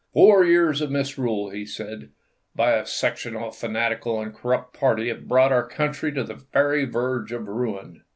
" Four years of misrule," he said, " by a sectional, fanatical, and corrupt party have brought our country to the very verge of ruin."